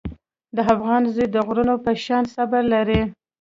د افغان زوی د غرونو په شان صبر لري.